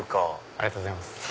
ありがとうございます。